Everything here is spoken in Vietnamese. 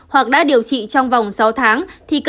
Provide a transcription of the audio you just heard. hoặc đã điều trị trong vòng sáu tháng